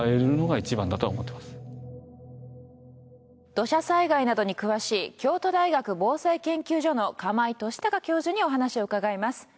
土砂災害などに詳しい京都大学防災研究所の釜井俊孝教授にお話を伺います。